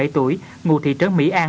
hai mươi bảy tuổi ngụ thị trấn mỹ an